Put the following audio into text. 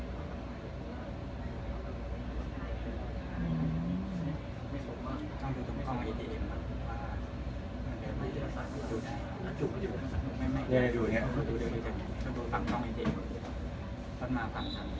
ไม่รู้ว่าเอาอะไรมา